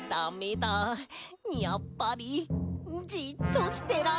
やっぱりじっとしてられない！